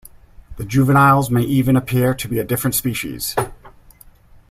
The juveniles may even appear to be a different species.